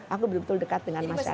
aku betul betul dekat dengan masyarakat